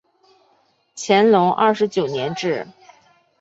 乾隆二十九年置。